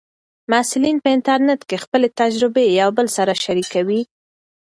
محصلین په انټرنیټ کې خپلې تجربې یو بل سره شریکوي.